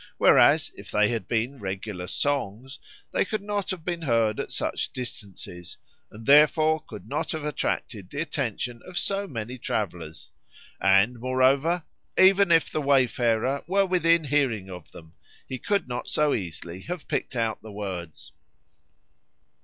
Whereas, if they had been regular songs, they could not have been heard at such distances, and therefore could not have attracted the attention of so many travellers; and, moreover, even if the wayfarer were within hearing of them, he could not so easily have picked out the words.